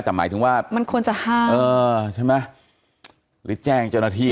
แต่หมายถึงว่ามันควรจะห้ามเออใช่ไหมหรือแจ้งเจ้าหน้าที่